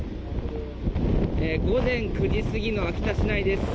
午前９時過ぎの秋田市内です。